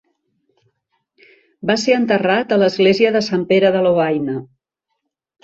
Va ser enterrat a l'església de Sant Pere de Lovaina.